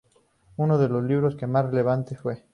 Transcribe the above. Uno de los libros que más relevante fue;